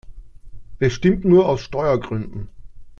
Bestimmt nur aus Steuergründen!